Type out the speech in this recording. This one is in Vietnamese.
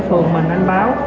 phường mình anh báo